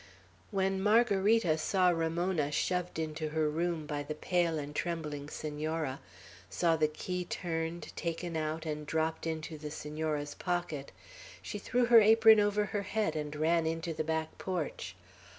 When Margarita saw Ramona shoved into her room by the pale and trembling Senora, saw the key turned, taken out, and dropped into the Senora's pocket, she threw her apron over her head, and ran into the back porch.